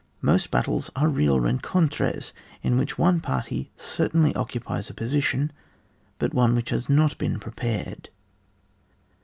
Most battles are real rencontres" in which one party certainly occupies a position, but one which has not been prepared.